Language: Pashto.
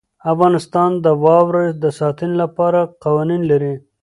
افغانستان د واوره د ساتنې لپاره قوانین لري.